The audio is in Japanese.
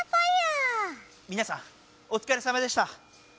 みなさんおつかれさまでした。